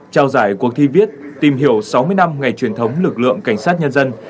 trao giải cuộc thi viết tìm hiểu sáu mươi năm ngày truyền thống lực lượng cảnh sát nhân dân